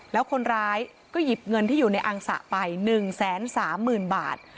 แล้วคนร้ายก็หยิบเงินที่อยู่ในอังสะไปหนึ่งแสนสามหมื่นบาท